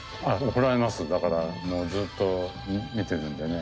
だからもうずっと見てるんでね。